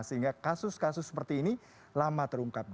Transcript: sehingga kasus kasus seperti ini lama terungkap